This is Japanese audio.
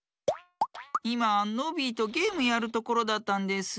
いまノビーとゲームやるところだったんです。